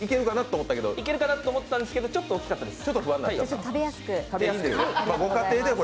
いけるかなと思ったんですけど、ちょっと大きかったです。